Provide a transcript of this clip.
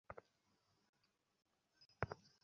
এবং ভয়াবহ ঘটনাটি ঘটল পরদিন দুপুরে।